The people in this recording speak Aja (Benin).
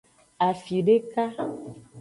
Afideka.